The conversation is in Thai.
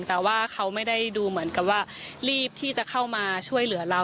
แต่ว่าเขาไม่ได้ดูเหมือนกับว่ารีบที่จะเข้ามาช่วยเหลือเรา